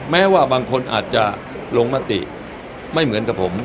แม้ว่าบางคนอาจจะลงมติไม่เหมือนกับผม